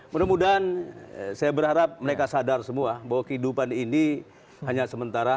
mudah mudahan saya berharap mereka sadar semua bahwa kehidupan ini hanya sementara